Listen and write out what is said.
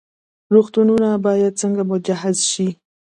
روغتونونه باید څنګه مجهز شي؟